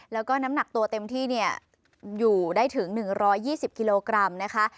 แล้วก็น้ำหนักตัวเต็มที่อยู่ได้ถึง๑๒๐กิโลกรัมนะคะ